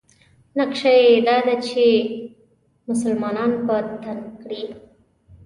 نقشه یې دا ده چې مسلمانان په تنګ کړي.